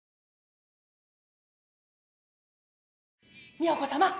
美保子さま。